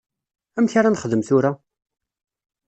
Amek ara nexdem tura?